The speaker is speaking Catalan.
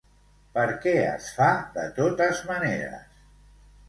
Per què es fa de totes maneres?